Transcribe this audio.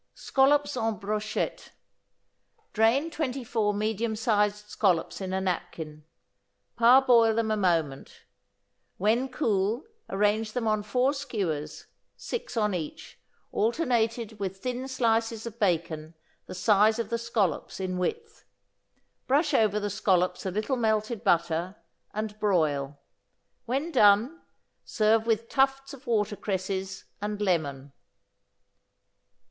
=Scallops en Brochette.= Drain twenty four medium sized scallops in a napkin. Parboil them a moment. When cool arrange them on four skewers, six on each, alternated with thin slices of bacon the size of the scallops in width. Brush over the scallops a little melted butter, and broil. When done, serve with tufts of watercresses and lemon.